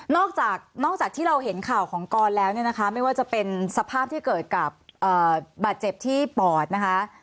นอกจากนอกจากที่เราเห็นข่าวของกรแล้วเนี่ยนะคะไม่ว่าจะเป็นสภาพที่เกิดกับบาดเจ็บที่ปอดนะคะ